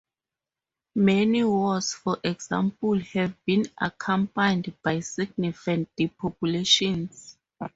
Many wars, for example, have been accompanied by significant depopulations.